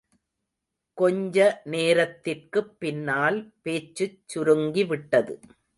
கொஞ்ச நேரத்திற்குப் பின்னால் பேச்சுச் சுருங்கிவிட்டது.